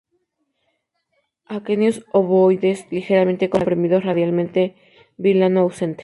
Aquenios obovoides, ligeramente comprimidos radialmente; vilano ausente.